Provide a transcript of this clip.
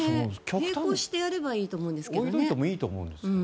並行してやればいいと思うんですけどね。